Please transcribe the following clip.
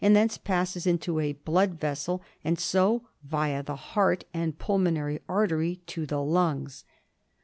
thence passes into a blood vessel, and so, via the heart and pulmonary artery, to the lungs.